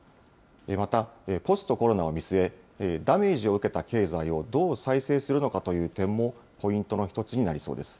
また、ポストコロナを見据え、ダメージを受けた経済をどう再生するのかという点もポイントの一つになりそうです。